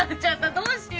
どうしよう？